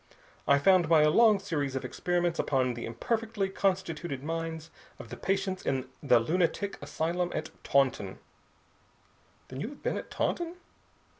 I found by a long series of experiments upon the imperfectly constituted minds of the patients in the lunatic asylum at Taunton " "Then you have been at Taunton?"